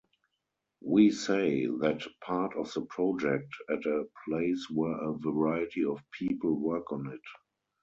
We say that part of the project at a place where a variety of people work on it